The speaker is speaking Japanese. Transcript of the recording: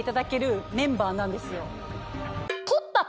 なんですよ。